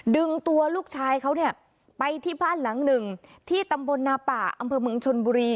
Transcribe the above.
ดึงตัวลูกชายเขาเนี่ยไปที่บ้านหลังหนึ่งที่ตำบลนาป่าอำเภอเมืองชนบุรี